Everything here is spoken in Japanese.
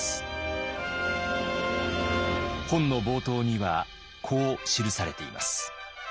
本の冒頭にはこう記されています。